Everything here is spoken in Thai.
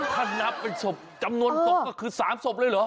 ถ้านับเป็นศพจำนวนศพก็คือ๓ศพเลยเหรอ